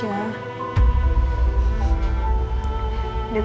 dia tau yang terbaik